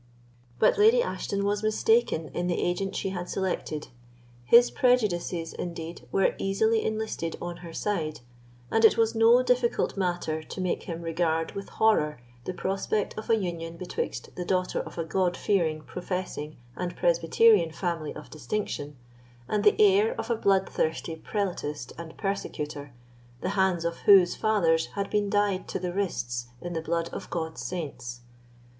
But Lady Ashton was mistaken in the agent she had selected. His prejudices, indeed, were easily enlisted on her side, and it was no difficult matter to make him regard with horror the prospect of a union betwixt the daughter of a God fearing, professing, and Presbyterian family of distinction and the heir of a bloodthirsty prelatist and persecutor, the hands of whose fathers had been dyed to the wrists in the blood of God's saints.